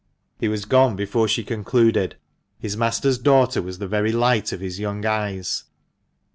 He was gone before she concluded. (His master's daughter was the very light of his young eyes.)